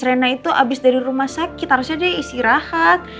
rena itu abis dari rumah sakit harusnya dia isi rahat